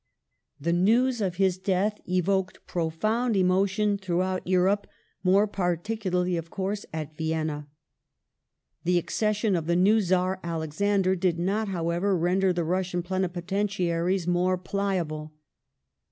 The news of his death evoked profound emotion throughout Europe, more particularly, of coui se, at Vienna. Confer The accession of the new Czar Alexander did not, however, ence of render the Russian Plenipotentiaries more pliable.